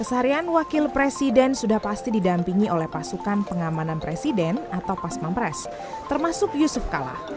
keseharian wakil presiden sudah pasti didampingi oleh pasukan pengamanan presiden atau pas pampres termasuk yusuf kala